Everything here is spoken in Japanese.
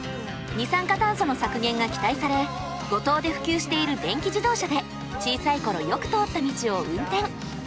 二酸化炭素の削減が期待され五島で普及している電気自動車で小さい頃よく通った道を運転。